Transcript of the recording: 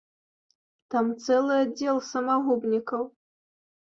Там цэлы аддзел самагубнікаў.